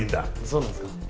そうなんですか。